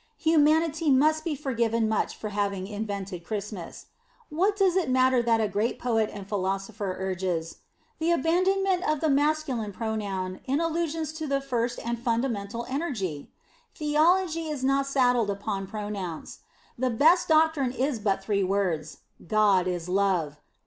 Humanity must be forgiven much for having invented Christmas. What does it matter that a great poet and philosopher urges "the abandonment of the masculine pronoun in allusions to the First or Fundamental Energy"? Theology is not saddled upon pronouns; the best doctrine is but three words, God is Love.